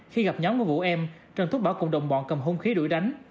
khi gặp nhóm của vũ em trần thuốc bảo cùng đồng bọn cầm hung khí đuổi đánh